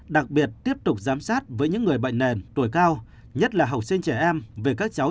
đặc biệt tiếp tục giám sát với những người bệnh nền tuổi cao nhất là học sinh trẻ em về các cháu